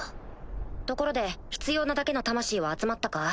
ところで必要なだけの魂は集まったか？